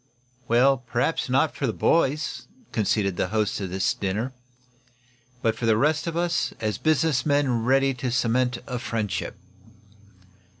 "Well, perhaps not for the boys," conceded the host of this dinner. "But for the rest of us, as business men ready to cement a friendship."